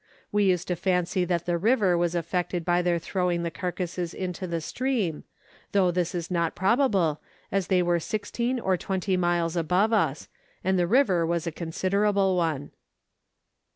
We used to fancy that the river was affected by their throwing the carcasses into the stream, though this is not probable, as they were 16 or 20 miles above us, and the river was a considerable one.